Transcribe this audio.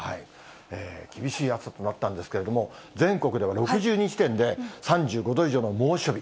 厳しい暑さとなったんですけれども、全国では６２地点で３５度以上の猛暑日。